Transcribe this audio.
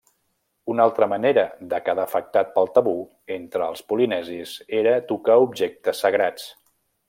Una altra manera de quedar afectat pel tabú entre els polinesis era tocar objectes sagrats.